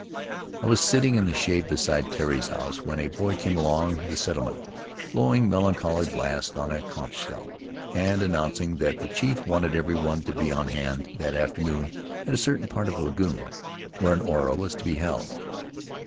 "I was sitting in the shade beside Tari's house when a boy came through the settlement, blowing melancholy blasts on a conch shell and announcing that the chief wanted everyone to be on hand that afternoon at a certain part of the lagoon, where an ora was to be held.